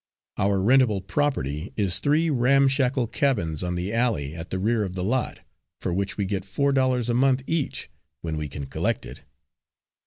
Our rentable property is three ramshackle cabins on the alley at the rear of the lot, for which we get four dollars a month each, when we can collect it.